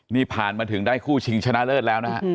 นี่ผ่านมาถึงได้คู่ชิงชนะเลิศแล้วนะฮะ